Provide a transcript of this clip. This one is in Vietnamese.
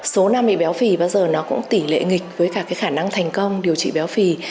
số năm bị béo phì bao giờ nó cũng tỷ lệ nghịch với cả cái khả năng thành công điều trị béo phì